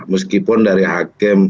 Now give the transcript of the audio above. meskipun dari hakim